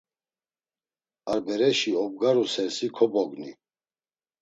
Ar bereşi obgaru sersi kobogni.